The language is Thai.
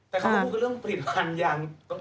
เป็นเรื่องด้วยปลิดฟันยั้ง